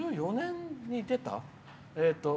５４年に出た？